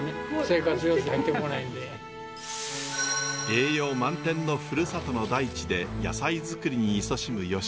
栄養満点のふるさとの大地で野菜づくりに勤しむ吉岡さん。